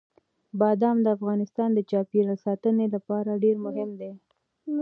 بادام د افغانستان د چاپیریال ساتنې لپاره ډېر مهم دي.